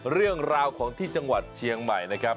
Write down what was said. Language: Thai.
เรื่องราวของที่จังหวัดเชียงใหม่นะครับ